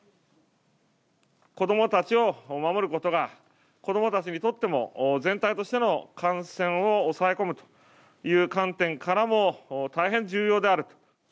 子どもたちを守ることが、子どもたちにとっても、全体としての感染を抑え込むという観点からも、大変重要である。